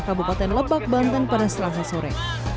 kabupaten lebak banten pada selasa sore